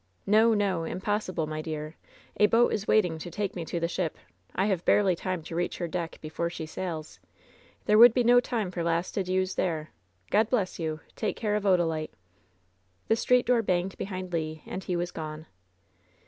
"No! no! Impossible, my dear! A boat is waiting to take me to the ship! I have barely time to reach her deck before she sails! There would be no time for last adieus there! God bless you! Take care of Odalite!" The street door banged behind Le, and he was gone.